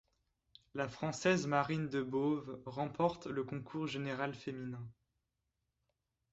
La Française Marine Debauve remporte le concours général féminin.